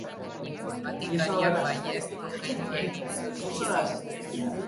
Informatikariak baiezko keinua egin zuen, pozik.